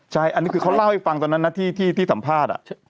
ใช่อันนี้คือเขาเล่าให้ฟังตอนนั้นนะที่สัมภาษณ์